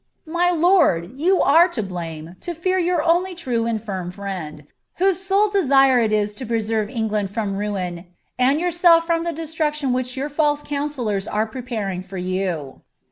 " My lord, you are t your only true and firm friend, whose «ole desire it is to J land from ruin, and yourself from the destruction which yr sellora are preparing for you."